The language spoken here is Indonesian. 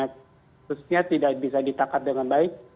kasusnya tidak bisa ditangkap dengan baik